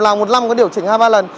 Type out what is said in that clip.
làm một năm có điều chỉnh hai ba lần